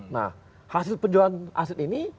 nah hasil penjualan aset ini